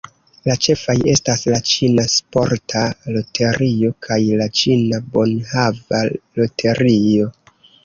La ĉefaj estas la Ĉina Sporta Loterio kaj la Ĉina Bonhava Loterio.